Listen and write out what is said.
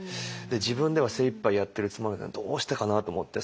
自分では精いっぱいやってるつもりなのにどうしてかなと思って。